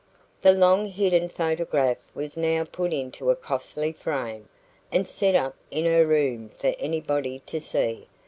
The long hidden photograph was now put into a costly frame, and set up in her room for anybody to see.